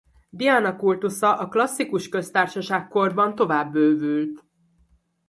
Diana kultusza a klasszikus köztársaság korban tovább bővült.